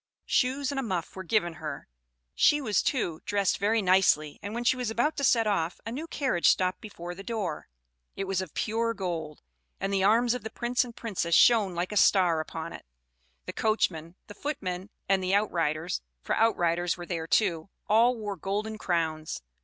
Shoes and a muff were given her; she was, too, dressed very nicely; and when she was about to set off, a new carriage stopped before the door. It was of pure gold, and the arms of the Prince and Princess shone like a star upon it; the coachman, the footmen, and the outriders, for outriders were there, too, all wore golden crowns.